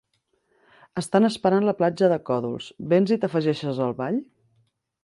Estan esperant la platja de còdols; vens i t'afegeixes al ball?